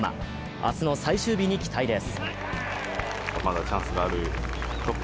明日の最終日に期待です。